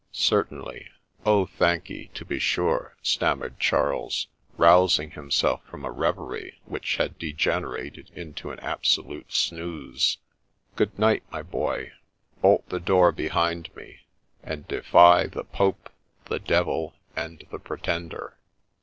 ' Certainly. — Oh ! thank'ee ;— to be sure !' stammered Charles, rousing himself from a reverie, which had degenerated into an absolute snooze. ' Good night, my boy ! Bolt the door behind me ; and defy the Pope, the Devil, and the Pretender